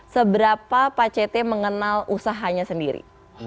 seberapa pak cete mengenal usahanya sendiri